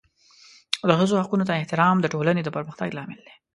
د ښځو حقونو ته احترام د ټولنې د پرمختګ لامل دی.